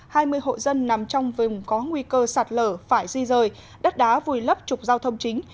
hai mươi hộ dân nằm trong vùng có nguy cơ sạt lở phải di rời đất đá vùi lấp trục giao thông chính